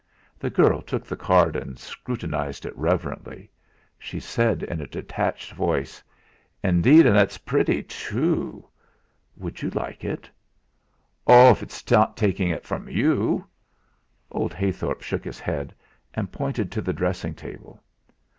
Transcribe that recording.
The girl took the card and scrutinised it reverently; she said in a detached voice: "Indeed, an' ut's pretty, too." "Would you like it?" "Oh I if 'tis not taking ut from you." Old Heythorp shook his head, and pointed to the dressing table.